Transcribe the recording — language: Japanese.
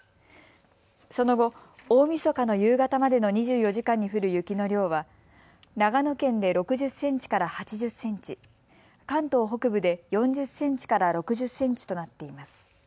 その後、大みそかの夕方までの２４時間に降る雪の量は長野県で６０センチから８０センチ、関東北部で４０センチから６０センチとなっています。